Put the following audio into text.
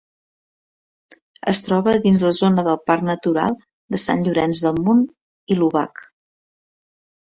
Es troba dins la zona del Parc Natural de Sant Llorenç del Munt i l'Obac.